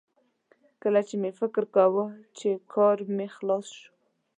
کله چې مې فکر کاوه چې کار مې خلاص شو